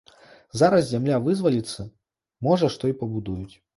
Зараз зямля вызваліцца, можа што і пабудуюць.